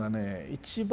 一番